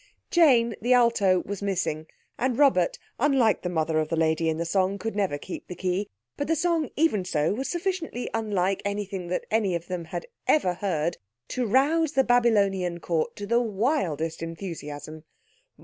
Jane, the alto, was missing, and Robert, unlike the mother of the lady in the song, never could "keep the key", but the song, even so, was sufficiently unlike anything any of them had ever heard to rouse the Babylonian Court to the wildest enthusiasm.